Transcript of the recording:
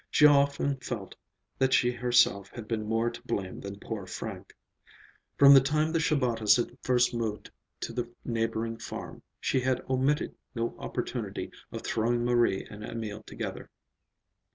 She often felt that she herself had been more to blame than poor Frank. From the time the Shabatas had first moved to the neighboring farm, she had omitted no opportunity of throwing Marie and Emil together.